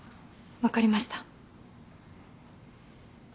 分かりました。